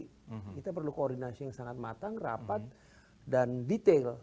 kita perlu koordinasi yang sangat matang rapat dan detail